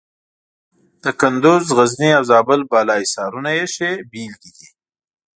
د کندز، غزني او زابل بالا حصارونه یې ښې بېلګې دي.